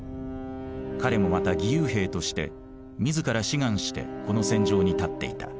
彼もまた義勇兵として自ら志願してこの戦場に立っていた。